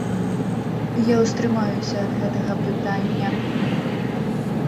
Я ўстрымаюся ад гэтага пытання.